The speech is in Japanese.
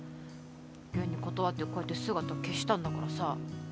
現に断ってこうやって姿を消したんだからさ。